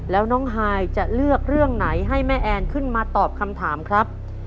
แล้วน้องฮายจะเลือกเรื่องไหนให้แม่แอนขึ้นมาตอบคำถามครับ